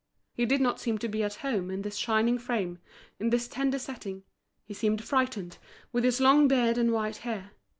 He did not seem to be at home in this shining frame, in this tender setting; he seemed frightened, with his long beard and white hair.